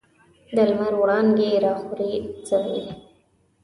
د لمر وړانګي راخورې سوې.